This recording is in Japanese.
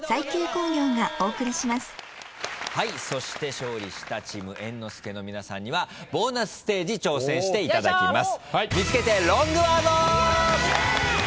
勝利したチーム猿之助の皆さんにはボーナスステージ挑戦していただきます。